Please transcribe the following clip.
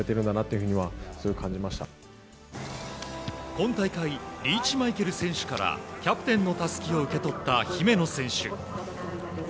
今大会リーチマイケル選手からキャプテンのたすきを受け取った姫野選手。